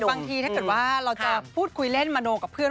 บางทีถ้าเกิดว่าเราจะพูดคุยเล่นมโนกับเพื่อน